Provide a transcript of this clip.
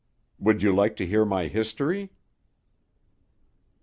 Would you like to hear my history?"